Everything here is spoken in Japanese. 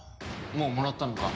もうもらったのか？